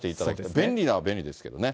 便利なのは便利ですけどね。